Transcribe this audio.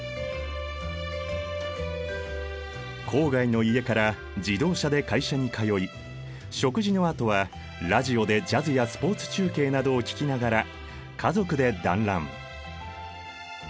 郊外の家から自動車で会社に通い食事のあとはラジオでジャズやスポーツ中継などを聞きながら家族で団らん。